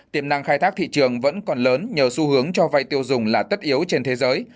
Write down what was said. tiềm năng khai thác thị trường vẫn còn lớn nhờ xu hướng cho vay tiêu dùng là tất yếu trên thế giới